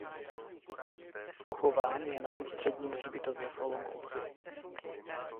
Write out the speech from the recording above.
Pochován je na ústředním hřbitově v Olomouci.